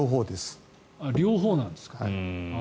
両方なんですか。